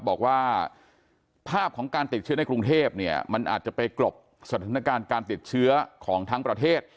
บอกว่าภาพของการติดเชื้อในกรุงเทพเนี่ยมันอาจจะไปกรบสถานการณ์การติดเชื้อของทั้งประเทศ